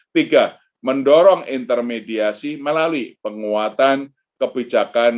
tiga mendorong intermediasi melalui penguatan kebijakan